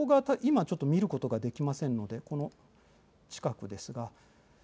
ここが今、ちょっと見ることができませんので、この近くですが。